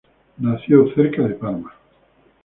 Nació cerca de Parma.